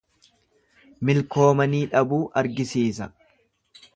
Milkoomanii dhabuu argisiisa.